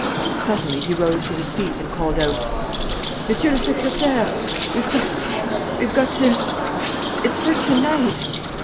Suddenly he rose to his feet and called out: "Monsieur le Secrétaire, we've got ... we've got to ... It's for to night.